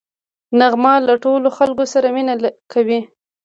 نغمه له ټولو خلکو سره مینه کوي